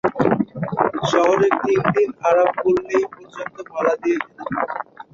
শহরের তিন দিক আরাবল্লী পর্বত মালা দিয়ে ঘেরা।